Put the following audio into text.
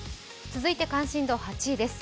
続いて関心度８位です。